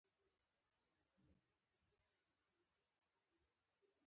غرونه څنګه جوړ شوي؟